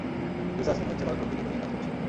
Jesus, মনে হচ্ছে বারুদভর্তি পিপা নিয়ে কাজ করছি।